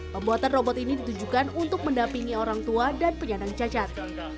pembuatan robot ini ditujukan untuk mendampingi orang tua dan penyandang cacat